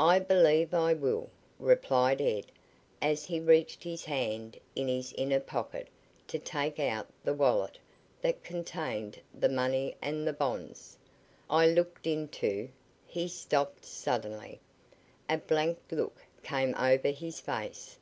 "I believe I will," replied Ed as he reached his hand in his inner pocket to take out the wallet that contained the money and bonds. "I looked into " He stopped suddenly. A blank look came over his face.